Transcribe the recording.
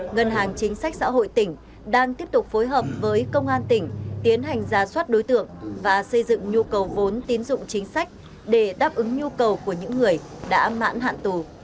ngân hàng chính sách xã hội tỉnh đang tiếp tục phối hợp với công an tỉnh tiến hành ra soát đối tượng và xây dựng nhu cầu vốn tín dụng chính sách để đáp ứng nhu cầu của những người đã mãn hạn tù